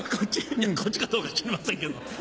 こっちかどうか知りませんけど。